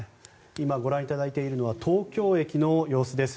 今ご覧いただいているのは東京駅の様子です。